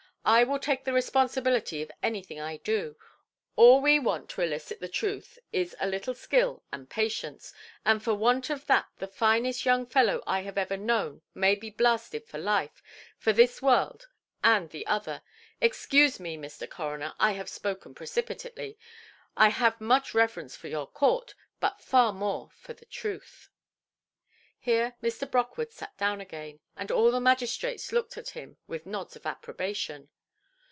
"I will take the responsibility of anything I do. All we want to elicit the truth is a little skill and patience; and for want of that the finest young fellow I have ever known may be blasted for life, for this world and the other. Excuse me, Mr. Coroner, I have spoken precipitately; I have much reverence for your court, but far more for truth". Here Mr. Brockwood sat down again, and all the magistrates looked at him with nods of approbation.